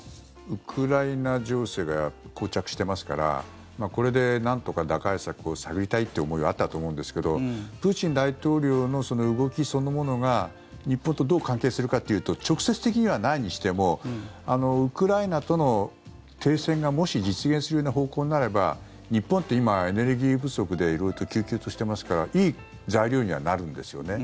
ウクライナ情勢がこう着してますからこれでなんとか打開策を探りたいという思いはあったと思うんですけどプーチン大統領の動きそのものが日本とどう関係するかというと直接的にはないにしてもウクライナとの停戦がもし実現するような方向になれば日本って今、エネルギー不足で色々ときゅうきゅうとしてますからいい材料にはなるんですよね。